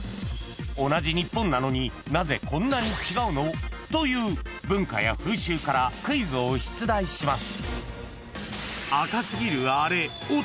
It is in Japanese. ［同じ日本なのになぜこんなに違うの？という文化や風習からクイズを出題します］